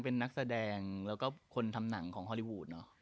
เออเราอ่อนธุรกิจให้ทำได้นะ